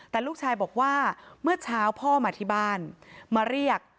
แต่ลูกชายบอกว่าเมื่อเช้าพ่อมาที่บ้านมาเรียก